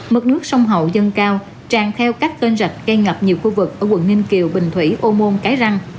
mực nước sông hậu dân cao tràn theo các kênh rạch gây ngập nhiều khu vực ở quận ninh kiều bình thủy ô môn cái răng